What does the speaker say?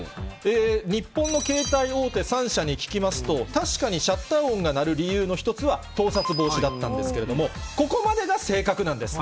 日本の携帯大手３社に聞きますと、確かにシャッター音が鳴る理由の一つは、盗撮防止だったんですけれども、ここまでが正確なんです。